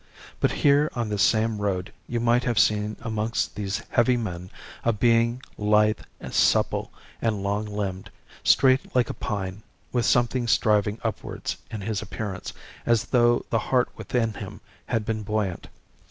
But here on this same road you might have seen amongst these heavy men a being lithe, supple, and long limbed, straight like a pine with something striving upwards in his appearance as though the heart within him had been buoyant.